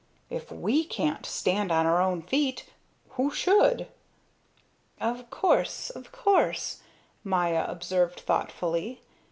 If we can't stand on our own feet, who should?" "Of course, of course," Maya observed thoughtfully.